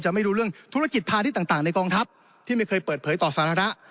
ไม่รู้เรื่องธุรกิจพาณิชย์ต่างในกองทัพที่ไม่เคยเปิดเผยต่อสาระ